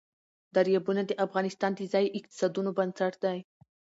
دریابونه د افغانستان د ځایي اقتصادونو بنسټ دی.